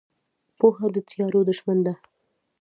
پوهه د تیارو دښمن ده.